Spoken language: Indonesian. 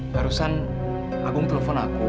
barusan agung telepon aku